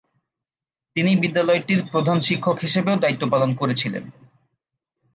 তিনি বিদ্যালয়টির প্রধান শিক্ষক হিসেবেও দায়িত্ব পালন করেছিলেন।